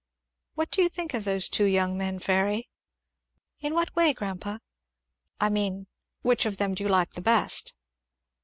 "What do you think of those two young men, Fairy?" "In what way, grandpa?" "I mean, which of them do you like the best?"